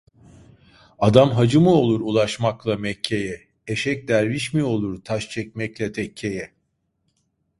Adam hacı mı olur ulaşmakla Mekke'ye, eşek derviş mi olur taş çekmekle tekkeye?